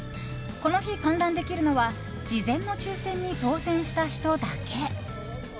この日、観覧できるのは事前の抽選に当選した人だけ。